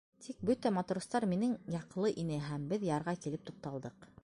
Тик бөтә матростар минең яҡлы ине һәм беҙ ярға килеп туҡталдыҡ.